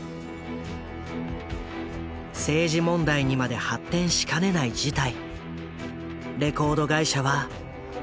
政治問題にまで発展しかねない事態。